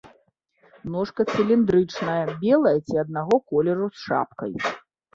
Ножка цыліндрычная, белая ці аднаго колеру з шапкай.